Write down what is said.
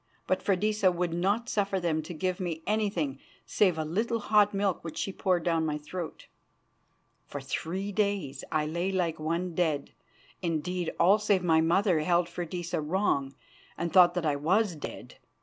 But Freydisa would not suffer them to give me anything save a little hot milk which she poured down my throat. For three days I lay like one dead; indeed, all save my mother held Freydisa wrong and thought that I was dead.